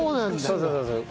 そうそうそうそう。